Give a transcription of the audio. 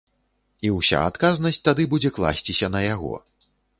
І ўся адказнасць тады будзе класціся на яго.